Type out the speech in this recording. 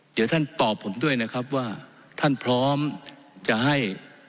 เดี๋ยวท่านตอบผมด้วยนะครับว่าท่านพร้อมจะให้